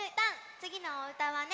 つぎのおうたはね